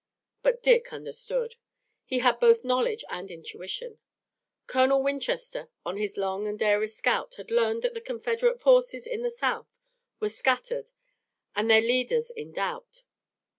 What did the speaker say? But Dick understood. He had both knowledge and intuition. Colonel Winchester on his long and daring scout had learned that the Confederate forces in the South were scattered and their leaders in doubt.